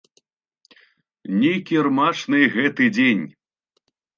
Не кірмашны гэты дзень.